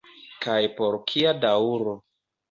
Kaj por kia daŭro.